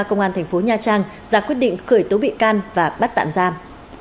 công an tp nha trang ra quyết định khởi tố bị can và bắt tạm giam